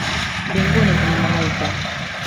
Mbinguni kuna malaika